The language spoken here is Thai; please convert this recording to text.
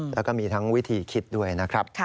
แล้วก็มีทั้งวิธีคิดด้วยนะครับ